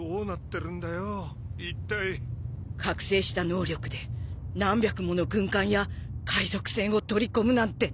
覚醒した能力で何百もの軍艦や海賊船を取り込むなんて。